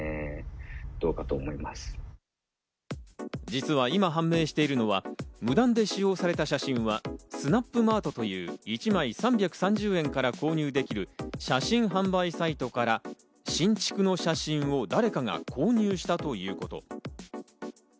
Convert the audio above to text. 実は今、判明しているのは無断で使用された写真はスナップマートという１枚３３０円から購入できる写真販売サイトから新築の写真を誰かが購入したということ。